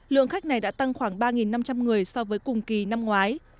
lượng khách này đã tăng khoảng ba năm trăm linh người so với cùng kỳ năm ngoái